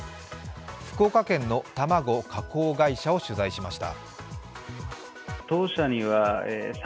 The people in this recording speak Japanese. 福岡県の卵加工会社を取材しました。